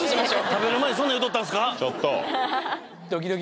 食べる前にそんなん言うとったんですか